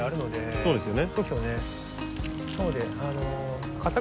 そうですよね。